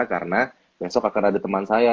karena besok akan ada teman saya